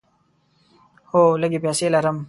هو، لږې پیسې لرم